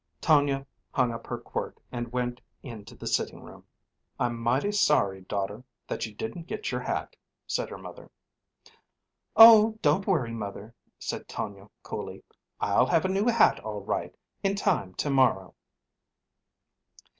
Tonia hung up her quirt and went into the sitting room. "I'm mighty sorry, daughter, that you didn't get your hat," said her mother. "Oh, don't worry, mother," said Tonia, coolly. "I'll have a new hat, all right, in time to morrow."